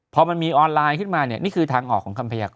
พอมันมีออนไลน์ขึ้นมาเนี่ยนี่คือทางออกของคำพยากร